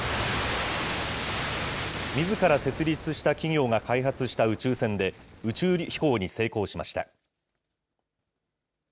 みずから設立した企業が開発した宇宙船で、宇宙飛行に成功しました。